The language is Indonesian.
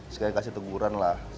sekalian kasih teguran lah sama akor ini